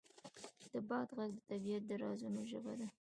د باد غږ د طبیعت د رازونو ژبه ده.